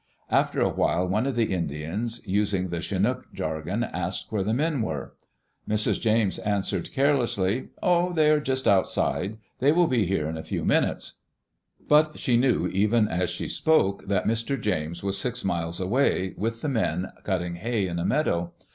After a while, one of the Indians, using the Chinook jargon, asked where the men were. Mrs. James answered Digitized by CjOOQ IC THE LIFE OF THE CHILDREN carelessly, "Oh, they are just outside. They will be here in a few minutes." But she knew, even as she spoke, that Mr. James was six miles away, with the men, cutting hay in a meadow.